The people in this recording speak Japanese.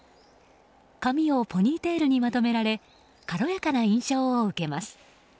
髪をポニーテールにまとめられ軽やかな印象を受けます。